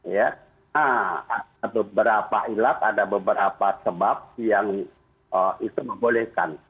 nah ada beberapa hilal ada beberapa sebab yang itu membolehkan